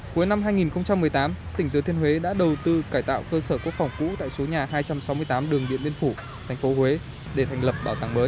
cuối năm hai nghìn một mươi tám tỉnh thừa thiên huế đã đầu tư cải tạo cơ sở quốc phòng cũ tại số nhà hai trăm sáu mươi tám đường điện biên phủ tp huế để thành lập bảo tàng mới